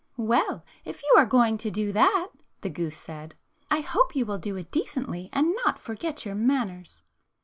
"Well, if you are going to do that," the goose said, "I hope you will do it decently and not forget your manners."